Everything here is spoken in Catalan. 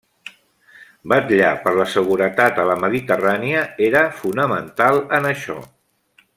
Vetllar per la seguretat a la Mediterrània era fonamental en això.